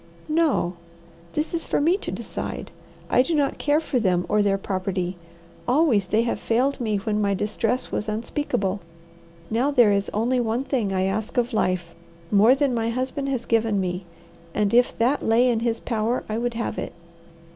"No. This is for me to decide. I do not care for them or their property. Always they have failed me when my distress was unspeakable. Now there is only one thing I ask of life, more than my husband has given me, and if that lay in his power I would have it.